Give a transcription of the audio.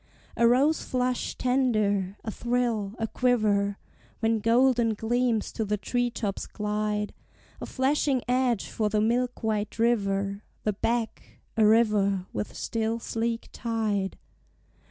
A rose flush tender, a thrill, a quiver, When golden gleams to the tree tops glide; A flashing edge for the milk white river, The beck, a river with still sleek tide.